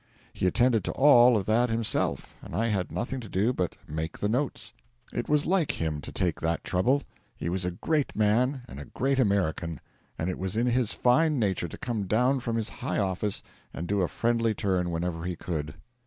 He attended to all of that himself, and I had nothing to do but make the notes. It was like him to take that trouble. He was a great man and a great American, and it was in his fine nature to come down from his high office and do a friendly turn whenever he could.